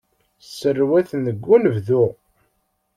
Sserwaten deg unebdu.